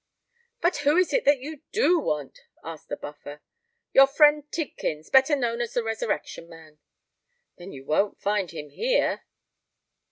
"But who is it that you do want?" asked the Buffer. "Your friend Tidkins—better known as the Resurrection Man." "Then you won't find him here."